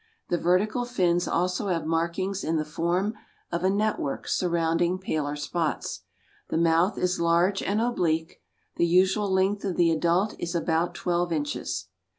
The vertical fins also have markings in the form of a network surrounding paler spots. The mouth is large and oblique. The usual length of the adult is about twelve inches.